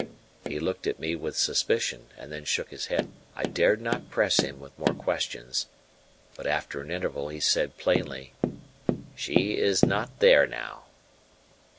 He looked at me with suspicion and then shook his head. I dared not press him with more questions; but after an interval he said plainly: "She is not there now."